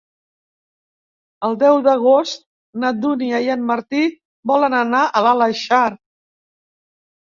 El deu d'agost na Dúnia i en Martí volen anar a l'Aleixar.